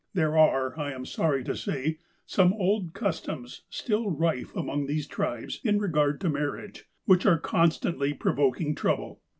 There are, I am sorry to say, some old customs still rife among these tribes in regard to marriage, which are constantly provoking trouble.